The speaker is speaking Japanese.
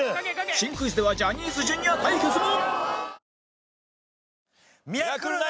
新クイズではジャニーズ Ｊｒ． 対決も！